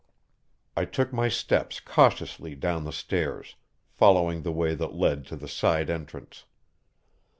I took my steps cautiously down the stairs, following the way that led to the side entrance.